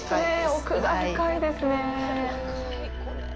奥が深いですね。